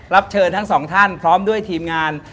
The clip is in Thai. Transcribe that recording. เชิญทั้งสองท่านพร้อมด้วยทีมงาน